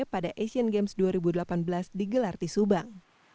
pada asian games dua ribu delapan belas digelar di subang